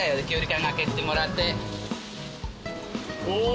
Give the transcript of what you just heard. お！